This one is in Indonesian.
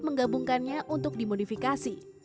menggabungkannya untuk dimodifikasi